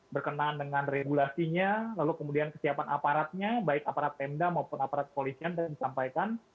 berkenaan dengan regulasinya lalu kemudian kesiapan aparatnya baik aparat pemda maupun aparat polisian dan disampaikan